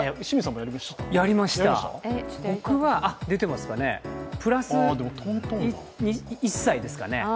やりました、僕はプラス１歳ですかね。